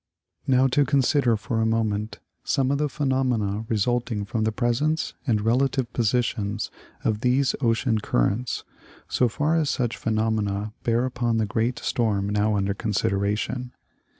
Now to consider for a moment some of the phenomena result ing from the presence and relative positions of these ocean cur rents, so far as such phenomena bear upon the great storm now under consideration.